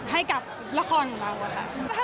ให้กับละครของเรา